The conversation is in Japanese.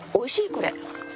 これ。